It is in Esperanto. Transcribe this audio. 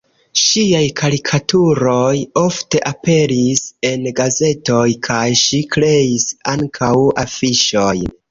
Ŝiaj karikaturoj ofte aperis en gazetoj kaj ŝi kreis ankaŭ afiŝojn.